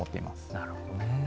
なるほどねえ。